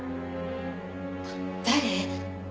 誰？